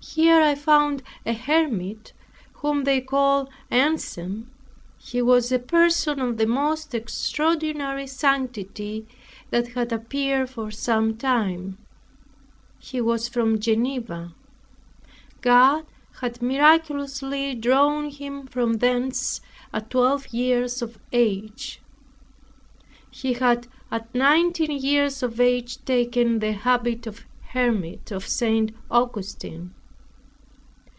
Here I found a hermit, whom they called Anselm. He was a person of the most extraordinary sanctity that had appeared for some time. He was from Geneva; God had miraculously drawn him from thence, at twelve years of age. He had at nineteen years of age taken the habit of hermit of St. Augustine.